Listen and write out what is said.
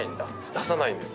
出さないんです。